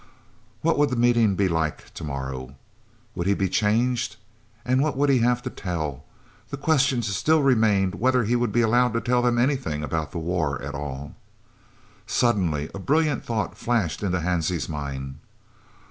What would the meeting be like to morrow? Would he be changed? And what would he have to tell? The question still remained whether he would be allowed to tell them anything about the war at all Suddenly a brilliant thought flashed into Hansie's mind.